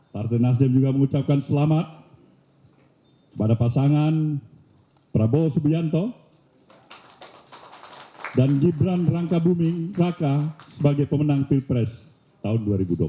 partai nasdem juga mengucapkan selamat pada pasangan prabowo subianto dan gibran raka buming raka sebagai pemenang pilpres tahun dua ribu dua puluh empat